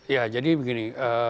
ya jadi begini